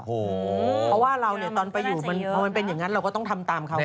เพราะว่าเราเนี่ยตอนไปอยู่พอมันเป็นอย่างนั้นเราก็ต้องทำตามเขา